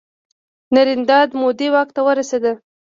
نریندرا مودي واک ته ورسید.